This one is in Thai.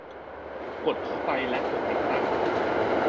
กดเข้าไป และกดติดตั้ง